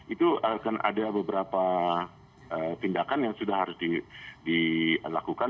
itu akan ada beberapa tindakan yang sudah harus dilakukan